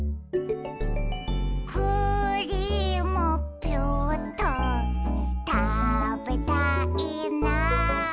「クリームピューっとたべたいな」